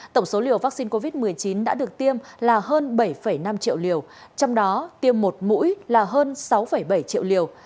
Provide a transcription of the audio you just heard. tổng số liều vaccine covid một mươi chín đã được tiêm là hơn bảy năm triệu liều trong đó tiêm một mũi là hơn sáu bảy triệu liều